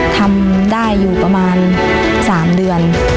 ทำได้อยู่ประมาณ๓เดือน